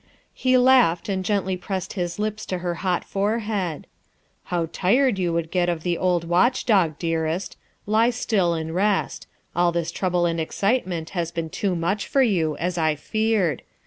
'' He laughed and gently pressed his lips to her hot fore head. " How tired you would get of the old watch dog, dearest. Lie still and rest. All this trouble and excite ment has been too much for you, as I feared.